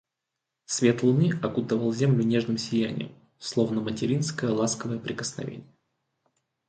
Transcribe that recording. Свет луны окутывал землю нежным сиянием, словно материнское ласковое прикосновение.